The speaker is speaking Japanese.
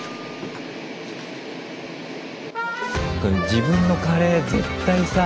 自分のカレー絶対さ